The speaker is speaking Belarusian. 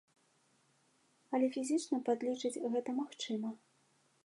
Але фізічна падлічыць гэта магчыма.